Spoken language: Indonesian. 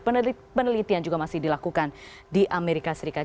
penelitian juga masih dilakukan di amerika serikat